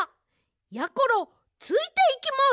やころついていきます！